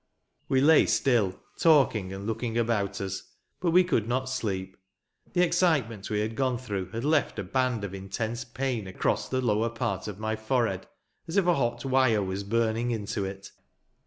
We lay still, talking and looking about us ; but we could not sleep. The excitement we had gone through had left a band of intense pain across the lower part of my forehead, as if a hot wire was burning into it.